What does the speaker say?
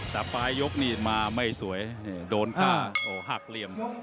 แต่ปลายยกนี่มาไม่สวยโดนกาโตหักเหลี่ยม